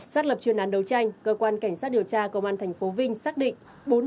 xác lập truyền án đấu tranh cơ quan cảnh sát điều tra công an thành phố vinh xác định